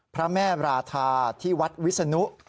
พระแม่ราธาที่วัดวิศนุ